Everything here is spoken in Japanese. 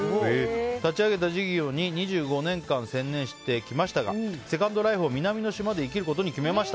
立ち上げた事業に２５年間専念してきましたがセカンドライフを南の島で生きることを決めました。